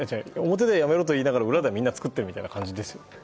表ではやめろと言いながら裏ではみんなで作っている感じですよ。